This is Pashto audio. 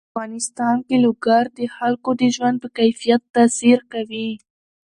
په افغانستان کې لوگر د خلکو د ژوند په کیفیت تاثیر کوي.